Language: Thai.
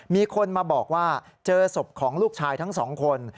มีคนมาบอกว่าเจอศพของลูกชายทั้งสองคน